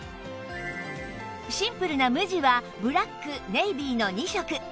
シンプルな無地はブラックネイビーの２色